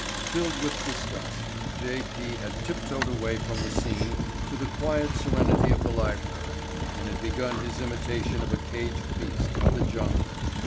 Filled with disgust J. P. had tip toed away from the scene to the quiet serenity of the library and had begun his imitation of a caged beast of the jungle.